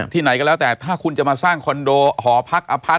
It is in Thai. ไหนก็แล้วแต่ถ้าคุณจะมาสร้างคอนโดหอพักอพาร์ท